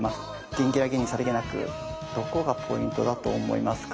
「ギンギラギンにさりげなく」どこがポイントだと思いますか？